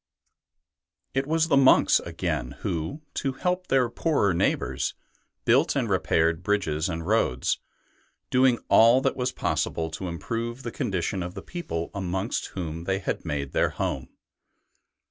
It was the monks again who, to help their poorer neighbours, built and repaired bridges and roads, doing all that was possible to improve the condition of the people amongst whom they had made their home.